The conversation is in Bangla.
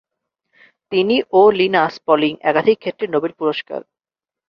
তিনি ও লিনাস পলিং একাধিক ক্ষেত্রে নোবেল পুরস্কার